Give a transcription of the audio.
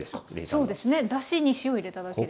そうですねだしに塩を入れただけです。